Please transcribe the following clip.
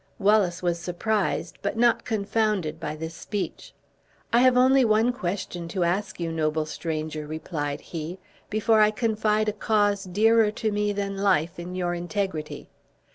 Wallace was surprised, but not confounded by this speech. "I have only one question to ask you, noble stranger," replied he, "before I confide a cause dearer to me than life in your integrity.